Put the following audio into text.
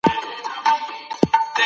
برښنا د صنعت لپاره حياتي ده.